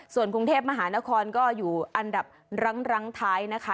ส่วนกรุงเทพมหานครก็อยู่อันดับรั้งท้ายนะคะ